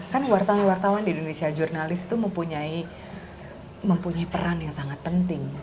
kan wartawan wartawan di indonesia jurnalis itu mempunyai peran yang sangat penting